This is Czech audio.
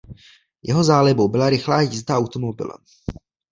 Jeho zálibou byla rychlá jízda automobilem.